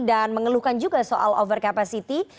dan mengeluhkan juga soal overcapacity